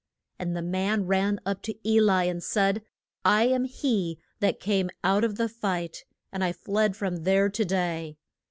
And the man ran up to E li and said, I am he that came out of the fight, and I fled from there to day.